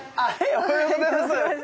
おはようございます。